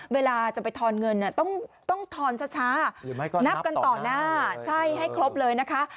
เวลาจะไปทอนเงินต้องทอนช้านับกันต่อหน้าใช่ให้ครบเลยนะคะ